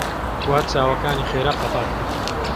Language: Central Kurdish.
فواد چاوەکانی خێرا قەپات کرد.